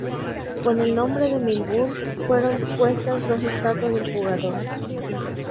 Con el nombre de Milburn fueron puestas dos estatuas del jugador.